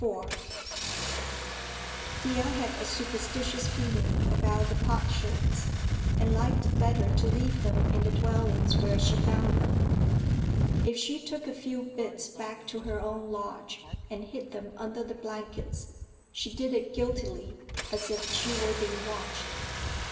IV Thea had a superstitious feeling about the potsherds, and liked better to leave them in the dwellings where she found them. If she took a few bits back to her own lodge and hid them under the blankets, she did it guiltily, as if she were being watched.